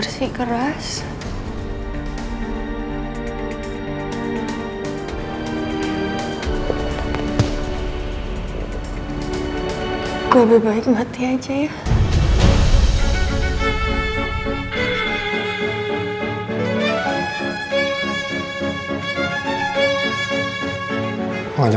dia percaya saya